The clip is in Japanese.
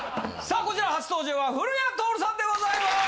さあこちら初登場は古谷徹さんでございます！